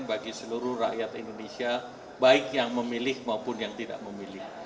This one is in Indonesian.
bagi seluruh rakyat indonesia baik yang memilih maupun yang tidak memilih